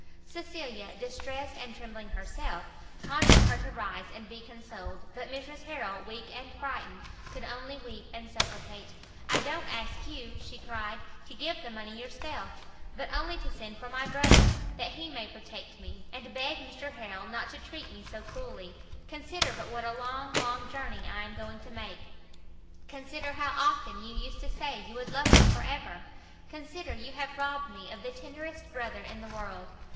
Cecilia, distressed and trembling herself, conjured her to rise and be consoled; but Mrs Harrel, weak and frightened, could only weep and supplicate; "I don't ask you," she cried, "to give the money yourself, but only to send for my brother, that he may protect me, and beg Mr Harrel not to treat me so cruelly, consider but what a long, long journey I am going to make! consider how often you used to say you would love me for ever! consider you have robbed me of the tenderest brother in the world!